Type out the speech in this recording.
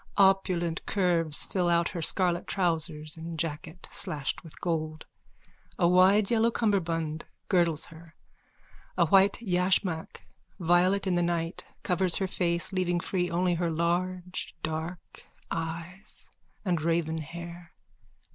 Opulent curves fill out her scarlet trousers and jacket, slashed with gold. A wide yellow cummerbund girdles her. A white yashmak, violet in the night, covers her face, leaving free only her large dark eyes and raven hair.)